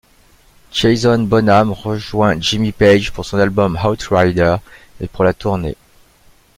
Jason Bonham rejoint Jimmy Page pour son album Outrider et pour la tournée.